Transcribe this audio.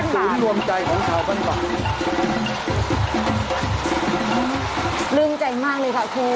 คุณคุณรวมใจของเจ้าบ้านบาท